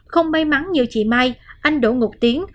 không may mắn như chị mai anh đỗ ngọc tiến